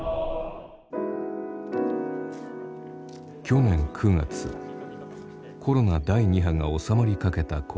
去年９月コロナ第２波が収まりかけた頃。